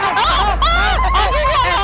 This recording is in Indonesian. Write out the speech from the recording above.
ah bukalah burang jendela